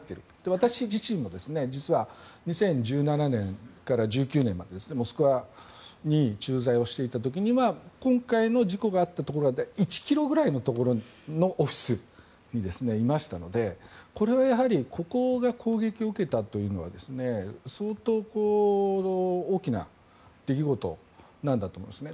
私自身も実は２０１７年から１９年までモスクワに駐在をしていた時には今回の事故があったところから１ｋｍくらいのところのオフィスにいましたのでこれはここが攻撃を受けたというのは相当、大きな出来事なんだと思うんですね。